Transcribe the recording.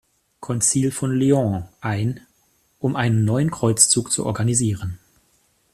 Konzil von Lyon ein, um einen neuen Kreuzzug zu organisieren.